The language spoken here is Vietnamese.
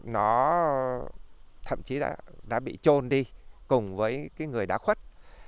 nó thậm chí đã bị trôn đi cùng với cái người đã khuất